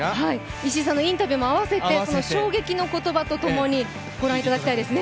石井さんのインタビューも併せて、その衝撃の言葉と併せてご覧いただきたいですね。